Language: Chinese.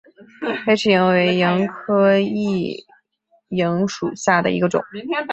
黑翅萤为萤科熠萤属下的一个种。